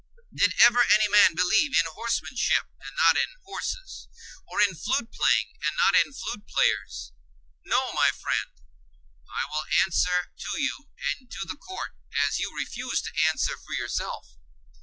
Did ever any man believe in horsemanship, and not in horses? or in flute playing, and not in flute players? No, my friend; I will answer to you and to the court, as you refuse to answer for yourself.